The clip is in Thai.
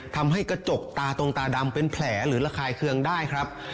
ทำให้กระจกตาตรงตาดำเป็นแผลหรือระคายเคืองได้ครับ